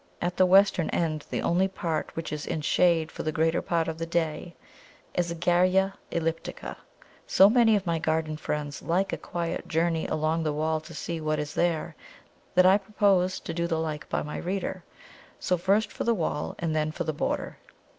At the western end, the only part which is in shade for the greater part of the day, is a Garrya elliptica. So many of my garden friends like a quiet journey along the wall to see what is there, that I propose to do the like by my reader; so first for the wall, and then for the border.